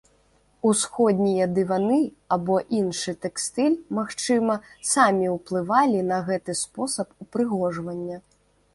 Усходнія дываны або іншы тэкстыль, магчыма, самі уплывалі на гэты спосаб упрыгожвання.